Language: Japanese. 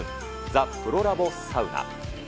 ザ・プロラボサウナ。